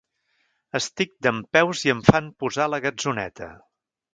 Estic dempeus i em fan posar a la gatzoneta.